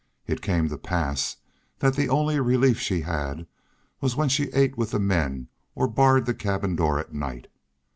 It came to pass that the only relief she had was when she ate with the men or barred the cabin door at night.